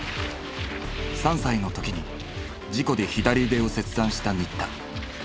３歳の時に事故で左腕を切断した新田。